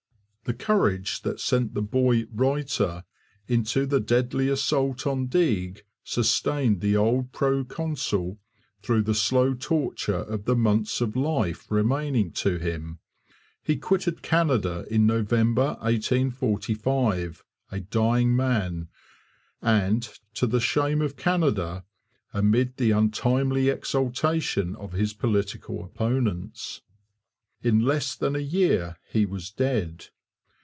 The courage that sent the boy 'writer' into the deadly assault on Deeg sustained the old proconsul through the slow torture of the months of life remaining to him. He quitted Canada in November 1845, a dying man, and, to the shame of Canada, amid the untimely exultation of his political opponents. In less than a year he was dead.